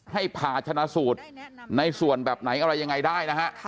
ผ่าชนะสูตรในส่วนแบบไหนอะไรยังไงได้นะฮะ